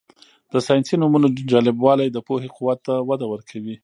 د ساینسي نومونو جالبوالی د پوهې قوت ته وده ورکوي.